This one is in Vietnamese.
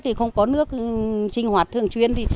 thì không có nước sinh hoạt thường chuyên